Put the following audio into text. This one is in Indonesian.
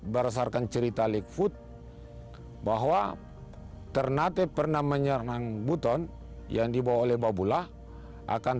berdasarkan cerita liquote bahwa ternate pernah menyerang buton yang dibawa oleh baulah akan